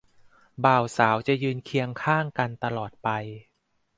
บ่าวสาวจะยืนเคียงข้างกันตลอดไป